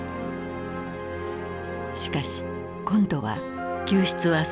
しかし今度は救出は成功した。